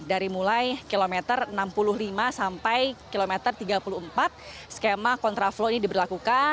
dari mulai kilometer enam puluh lima sampai kilometer tiga puluh empat skema kontraflow ini diberlakukan